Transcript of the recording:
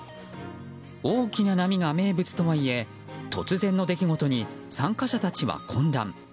大きな波が名物とはいえ突然の出来事に参加者たちは混乱。